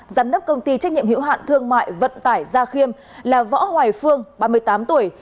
giám đốc công ty trách nhiệm hữu hạn thương mại vận tải gia khiêm là võ hoài phương ba mươi tám tuổi